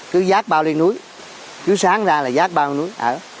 cứ giác bao lên núi cứ sáng ra là giác bao lên núi